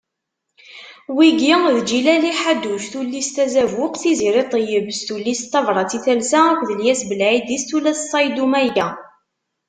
Wigi d: Ǧilali Ḥaddouc tullist Azabuq, Tiziri Ṭeyeb s tullist Tabrat i talsa akked Lyas Belɛidi s tullist Ṣayddu Mayga.